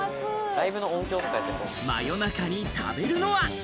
夜中に食べるのは。